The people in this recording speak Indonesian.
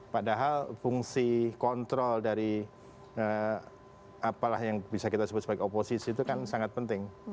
padahal fungsi kontrol dari apalah yang bisa kita sebut sebagai oposisi itu kan sangat penting